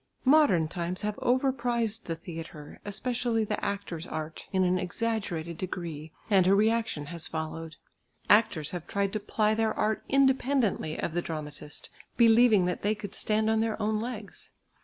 Modern times have overprised the theatre, especially the actor's art in an exaggerated degree, and a re action has followed. Actors have tried to ply their art independently of the dramatist, believing that they could stand on their own legs.